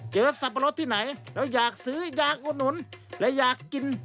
สับปะรดที่ไหนแล้วอยากซื้ออยากอุดหนุนและอยากกิน